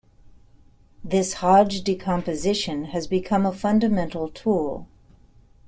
This "Hodge decomposition" has become a fundamental tool.